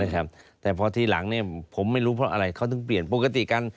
นะครับแต่พอทีหลังเนี่ยผมไม่รู้เพราะอะไรเขาต้องเปลี่ยนปกติการ